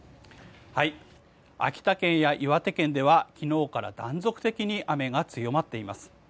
秋田県や岩手県では昨日から断続的に雨が強まっています。